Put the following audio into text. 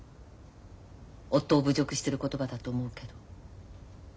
夫を侮辱してる言葉だと思うけど。